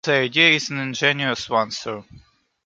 The idea is an ingenious one, sir.